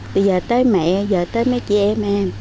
từ giờ tới mẹ giờ tới mấy chị em em